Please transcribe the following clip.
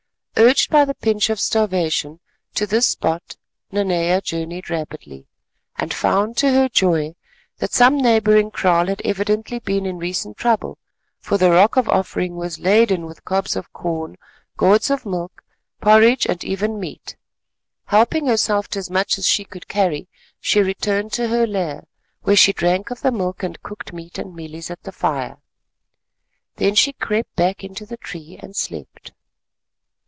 Urged by the pinch of starvation, to this spot Nanea journeyed rapidly, and found to her joy that some neighbouring kraal had evidently been in recent trouble, for the Rock of Offering was laden with cobs of corn, gourds of milk, porridge and even meat. Helping herself to as much as she could carry, she returned to her lair, where she drank of the milk and cooked meat and mealies at the fire. Then she crept back into the tree, and slept.